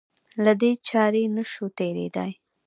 له دې چارې نه شو تېرېدای.